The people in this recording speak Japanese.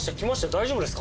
大丈夫ですか？